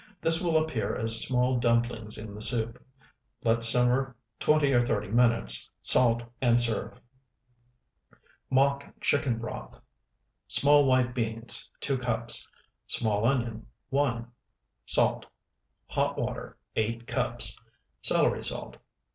This will appear as small dumplings in the soup. Let simmer twenty or thirty minutes; salt, and serve. MOCK CHICKEN BROTH Small white beans, 2 cups. Small onion, 1. Salt. Hot water, 8 cups. Celery salt.